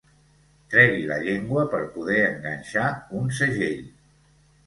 Tregui la llengua per poder enganxar un segell.